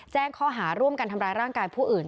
แจ้งข้อหาร่วมกันทำร้ายร่างกายผู้อื่น